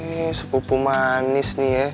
ini sepupu manis nih ya